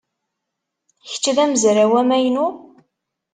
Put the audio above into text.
Kečč d amezraw amaynu?